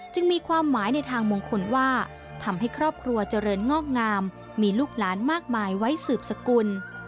มีความหมายในทางมงคลว่าทำให้ครอบครัวเจริญงอกงามมีลูกหลานมากมายไว้สืบสกุล